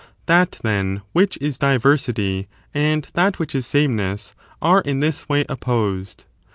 That, then, which is diversity, and that which is sameness, are in this way opposed.